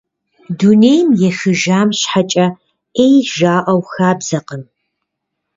Дунейм ехыжам щхьэкӀэ Ӏей жаӀэу хабзэкъым.